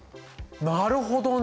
なるほどね！